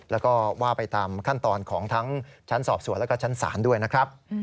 แล้วก็ว่าไปตามขั้นตอนของทั้งชั้นสอบสวนแล้วก็ชั้นศาลด้วยนะครับ